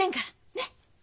ねっ。